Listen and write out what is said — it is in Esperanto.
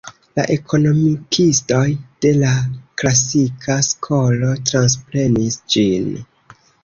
La ekonomikistoj de la klasika skolo transprenis ĝin.